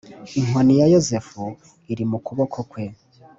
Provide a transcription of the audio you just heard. inkoni ya Yozefu iri mu kuboko kwe.